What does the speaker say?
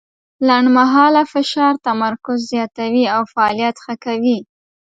لنډمهاله فشار تمرکز زیاتوي او فعالیت ښه کوي.